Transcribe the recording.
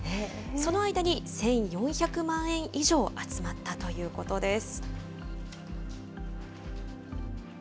その間に１４００万円以上集まったということです。